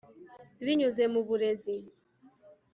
binyuze mu burezi